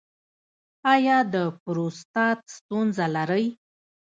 ایا د پروستات ستونزه لرئ؟